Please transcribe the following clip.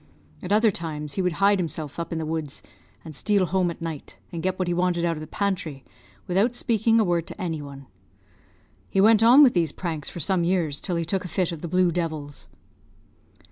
At other times he would hide himself up in the woods, and steal home at night, and get what he wanted out of the pantry, without speaking a word to any one. He went on with these pranks for some years, till he took a fit of the blue devils.